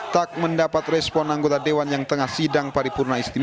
tak mendapat respon anggota dewan yang tengah sidang paripurna istimewa